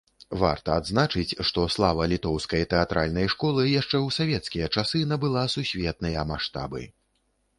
Варта адзначыць, што слава літоўскай тэатральнай школы яшчэ ў савецкія часы набыла сусветныя маштабы.